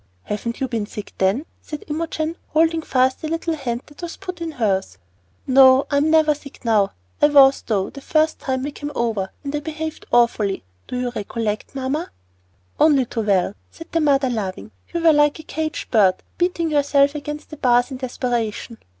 "Haven't you been sick, then?" said Imogen, holding fast the little hand that was put in hers. "No, I'm never sick now. I was, though, the first time we came over, and I behaved awfully. Do you recollect, mamma?" "Only too well," said her mother, laughing. "You were like a caged bird, beating yourself against the bars in desperation."